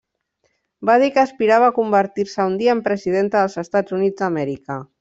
Va dir que aspirava a convertir-se un dia en Presidenta dels Estats Units d'Amèrica.